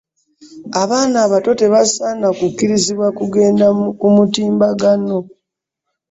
Abaana abato tebasaana kukkirizibwa kugenda ku mitimbagano.